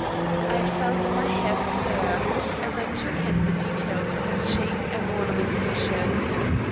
I felt my hair stir as I took in the details of its shape and ornamentation.